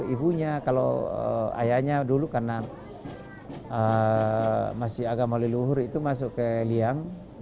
ibunya kalau ayahnya dulu karena masih agama leluhur itu masuk ke liang